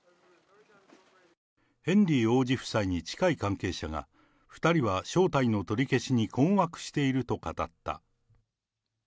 ヘンリー王子夫妻に近い関係者が、２人は招待の取り消しに困惑していると語った。